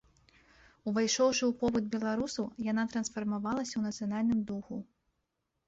Увайшоўшы ў побыт беларусаў, яна трансфармавалася ў нацыянальным духу.